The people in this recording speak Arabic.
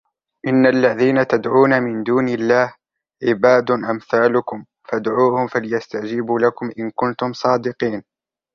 إن الذين تدعون من دون الله عباد أمثالكم فادعوهم فليستجيبوا لكم إن كنتم صادقين